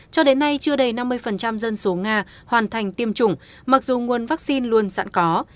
cho đến nay chưa đầy năm mươi dân số nga hoàn thành tiêm chủng mặc dù nguồn vaccine luôn sẵn có